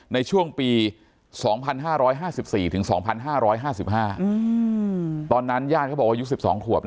ในช่วงปี๒๕๕๔ถึง๒๕๕๕ตอนนั้นญาติเขาบอกว่าอายุ๑๒ขวบ